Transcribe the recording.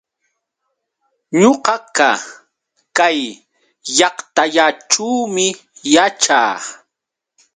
Ñuqaqa kay llaqtallaćhuumi yaćhaa.